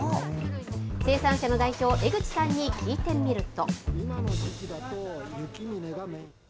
生産者の代表、江口さんに聞いてみると。